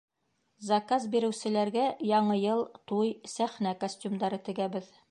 Заказ биреүселәргә Яңы йыл, туй, сәхнә костюмдары тегәбеҙ.